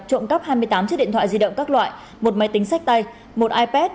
trộm cắp hai mươi tám chiếc điện thoại di động các loại một máy tính sách tay một ipad